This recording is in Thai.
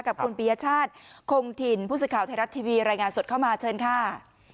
กับคุณปียชาติคงถิ่นผู้สื่อข่าวไทยรัฐทีวีรายงานสดเข้ามาเชิญค่ะ